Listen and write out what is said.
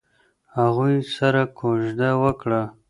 هغوی سره کوژده وکړه.